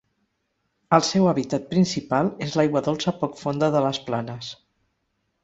El seu hàbitat principal és l'aigua dolça poc fonda de les planes.